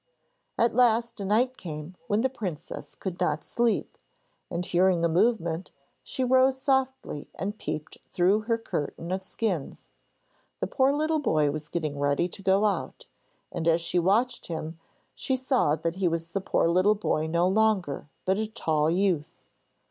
At last a night came when the princess could not sleep, and hearing a movement she rose softly and peeped through her curtain of skins. The poor little boy was getting ready to go out, and as she watched him she saw that he was a poor little boy no longer, but a tall youth.